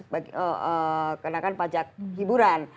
maka ini kan yang harus kita kenakan